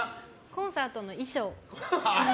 コンサートの衣装。